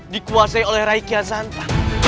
dikuasai oleh rai kian santang